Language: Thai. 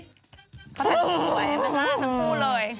สวยมันมากทั้งหมู่เลย